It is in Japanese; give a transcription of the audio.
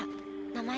名前。